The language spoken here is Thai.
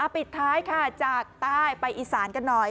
ปิดท้ายค่ะจากใต้ไปอีสานกันหน่อย